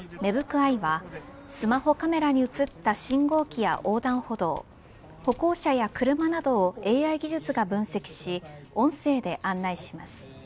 ＥＹＥはスマホカメラに映った信号機や横断歩道歩行者や車などをＡＩ技術が分析し音声で案内します。